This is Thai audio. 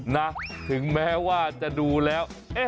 นะถึงแม้ว่าจะดูแล้ว